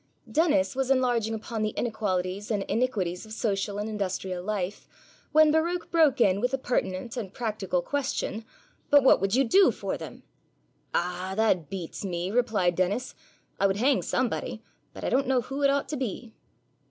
Dennis was enlarging upon the inequalities and iniquities of social and industrial life, when Baruch broke in with the pertinent and practical question: 'But what would you do for them?' 'Ah, that beats me!' replied Dennis. 'I would hang somebody, but I don't know who it ought to be!'